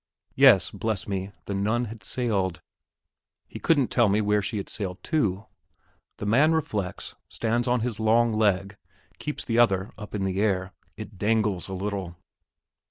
Yes, bless me, the Nun had sailed. He couldn't tell me where she had sailed to? The man reflects, stands on his long leg, keeps the other up in the air; it dangles a little.